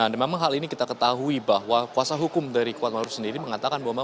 nah memang hal ini kita ketahui bahwa kuasa hukum dari kuatmaruf sendiri mengatakan bahwa